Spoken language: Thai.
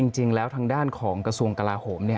จริงแล้วทางด้านของกระทรวงกลาโหม